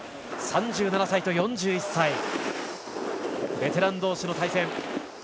３７歳と４１歳ベテラン同士の対戦。